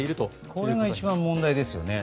これが一番問題ですね。